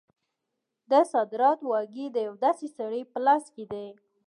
د صدارت واګې د یو داسې سړي په لاس کې دي.